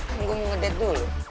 kan gue mau ngedate dulu